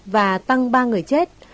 và tăng ba người chết